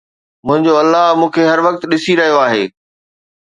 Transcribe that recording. منهنجو الله مون کي هر وقت ڏسي رهيو آهي.